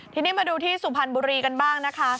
ทีนี้มาดูที่สุพรรณบุรีกันบ้างนะคะ